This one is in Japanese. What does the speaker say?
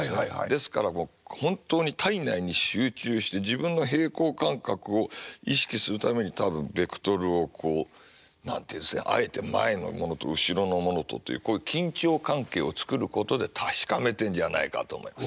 ですから本当に体内に集中して自分が平衡感覚を意識するために多分ベクトルをこう何て言うんですかあえて前のものと後ろのものとというこういう緊張関係を作ることで確かめてるんじゃないかと思います。